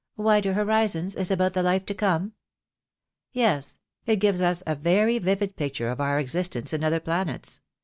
" 'Wider Horizons' is about the life to come?" "Yes; it gives us a very vivid picture of our existence in other planets.